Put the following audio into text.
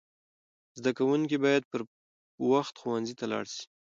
زده کوونکي باید پر وخت ښوونځي ته لاړ سي.